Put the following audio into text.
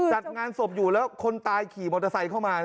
จัดงานศพอยู่แล้วคนตายขี่มอเตอร์ไซค์เข้ามา